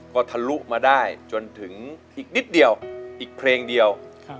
ก็ทะลุมาได้จนถึงอีกนิดเดียวอีกเพลงเดียว